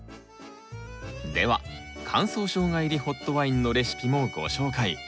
では「乾燥ショウガ入りホットワイン」のレシピもご紹介。